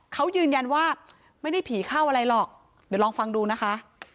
เขายืนยันว่าไม่ได้ผีเข้าอะไรหรอกเดี๋ยวลองฟังดูนะคะ